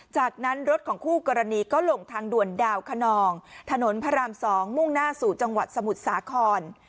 จากนั้นรถของคู่กรณีก็ลงทางด่วนดาวคนองถนนพระราม๒มุ่งหน้าสู่จังหวัดสมุทรสาคร